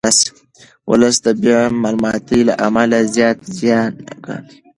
ولس د بې معلوماتۍ له امله زیات زیان ګالي.